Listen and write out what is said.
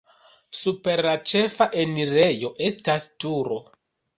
Super la ĉefa enirejo estas turo.